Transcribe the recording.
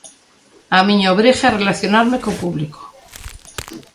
A miña obriga é relacionarme co público.